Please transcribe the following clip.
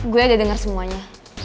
gue udah denger semuanya